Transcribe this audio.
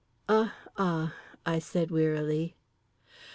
_" "Uh ah!" I said wearily.